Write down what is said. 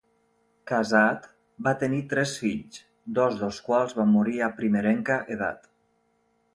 Casat, va tenir tres fills, dos dels quals van morir a primerenca edat.